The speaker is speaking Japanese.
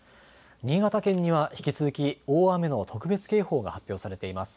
新潟県には引き続き大雨の特別警報が発表されています。